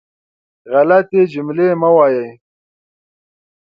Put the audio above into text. غلطې جملې مه وایئ.